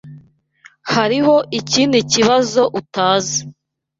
Hariho ikindi kibazo utazi.